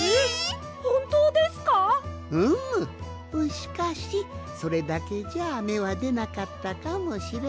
しかしそれだけじゃめはでなかったかもしれん。